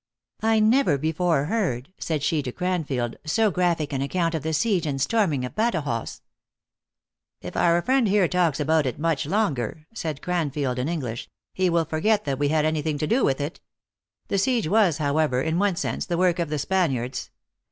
" I never before heard," said she to Cranfield, so gra phic an account of the siege and storming of Badajoz." 288 THE ACTRESS IN HIGH LIFE. " If our friend here talks about it much longer," said Cranfield, in English, " he will forget that we had any thing to do with it. The siege was, however, in one sense, the work of the Spaniards.